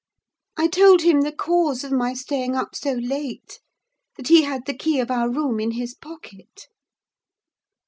I told him the cause of my staying up so late—that he had the key of our room in his pocket.